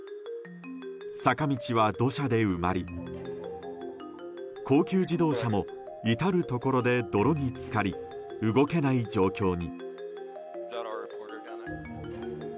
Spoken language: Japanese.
坂道は土砂で埋まり高級自動車も至るところで泥に浸かり、動けない状態に。